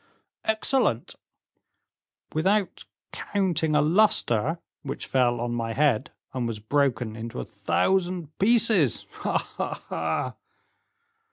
"Excellent." "Without counting a luster, which fell on my head and was broken into a thousand pieces ha, ha, ha!"